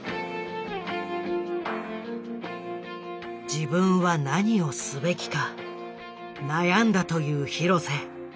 自分は何をすべきか悩んだという廣瀬。